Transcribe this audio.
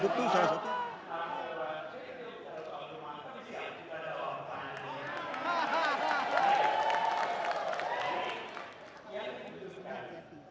terima kasih banyak